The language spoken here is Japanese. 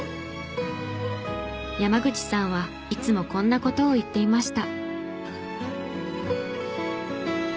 山口さんはいつもこんな事を言っていました。